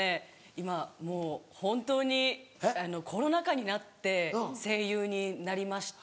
今もう本当にコロナ禍になって声優になりました。